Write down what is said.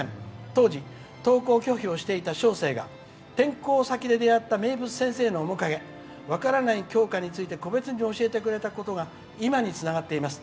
当時、登校拒否をしていた小生が転校先で出会った名物先生から分からない教科について個別に教えてくれたことが今につながっています。